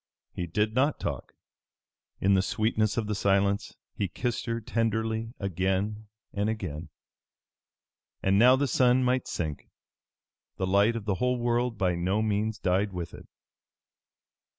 He did not talk. In the sweetness of the silence he kissed her tenderly again and again. And now the sun might sink. The light of the whole world by no means died with it.